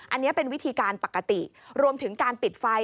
อันนี้เป็นวิธีการปกติรวมถึงการปิดไฟ